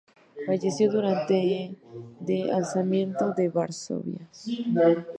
Falleció durante de Alzamiento de Varsovia.